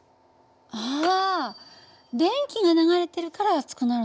あ電気が流れてるから熱くなるのか。